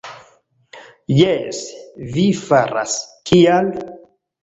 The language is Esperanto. Jes, vi faras; kial?